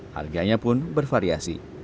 harganya pun bervariasi